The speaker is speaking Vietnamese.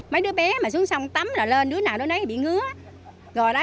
mấy đứa bé mà xuống sông tắm là lên đứa nào đứa nấy bị ngứa